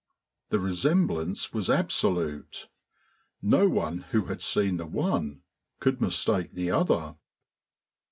The resemblance was absolute, no one who had seen the one could mistake the other.